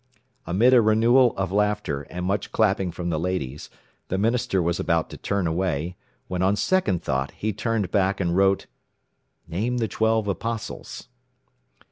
Amid a renewal of laughter, and much clapping from the ladies, the minister was about to turn away, when on second thought he turned back, and wrote: "Name the twelve Apostles."